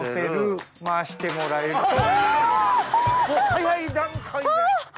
早い段階で！